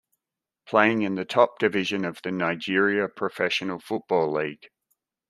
Playing in the top division of the Nigeria Professional Football League.